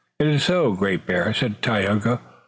"It is so, Great Bear," said Tayoga.